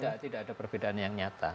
tidak ada perbedaan yang nyata